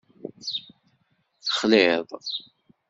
Texliḍ.